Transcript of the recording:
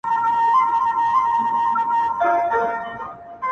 سور سلام دی سرو شرابو، غلامي لا سًره په کار ده.